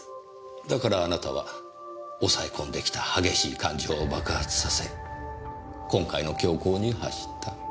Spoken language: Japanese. だからあなたは抑え込んできた激しい感情を爆発させ今回の凶行に走った。